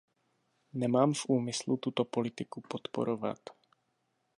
Nemám v úmyslu tuto politiku podporovat.